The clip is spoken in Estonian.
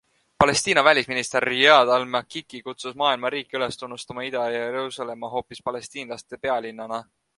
Palestiina välisminister Riyad Al-Makiki kutsus maailma riike üles tunnustama Ida-Jeruusalemma hoopis palestiinlaste pealinnana.